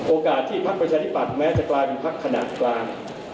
โอกาสที่ภักดิ์ประชาธิปัตย์แม้จะกลายเป็นภักดิ์ขณะกลาง